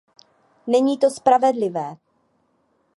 Není to spravedlivé.